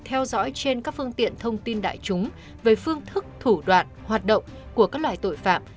theo dõi trên các phương tiện thông tin đại chúng về phương thức thủ đoạn hoạt động của các loài tội phạm